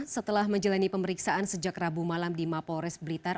setelah menjalani pemeriksaan sejak rabu malam di mapores blitar